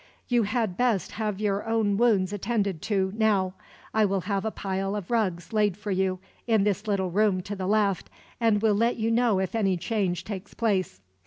"You had best have your own wounds attended to, now. I will have a pile of rugs laid for you, in this little room to the left; and will let you know if any change takes place."